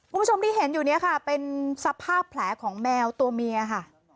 คุณผู้ชมที่เห็นอยู่เนี่ยค่ะเป็นสภาพแผลของแมวตัวเมียค่ะ